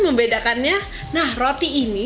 membedakannya nah roti ini